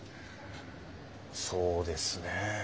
そうですね